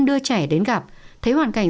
đưa trẻ đến gặp thấy hoàn cảnh